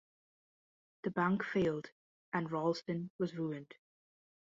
The bank failed, and Ralston was ruined.